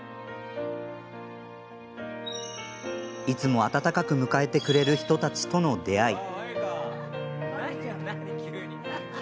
いつも温かく迎えてくれる人たちとの出会い。